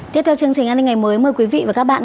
tiếp theo chương trình an ninh ngày mới mời quý vị và các bạn